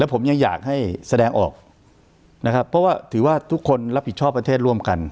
ผมยังอยากให้แสดงออกนะครับเพราะว่าถือว่าทุกคนรับผิดชอบประเทศร่วมกัน